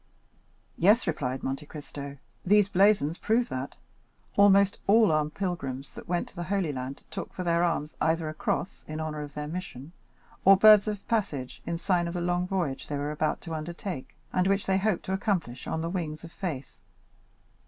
"Yes," replied Monte Cristo "these blazons prove that. Almost all the armed pilgrims that went to the Holy Land took for their arms either a cross, in honor of their mission, or birds of passage, in sign of the long voyage they were about to undertake, and which they hoped to accomplish on the wings of faith.